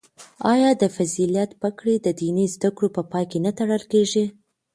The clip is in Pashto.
آیا د فضیلت پګړۍ د دیني زده کړو په پای کې نه تړل کیږي؟